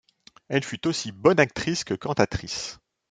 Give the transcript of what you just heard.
Elle fut aussi bonne actrice que cantatrice.